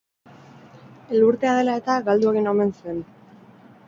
Elurtea dela eta, galdu egin omen zen.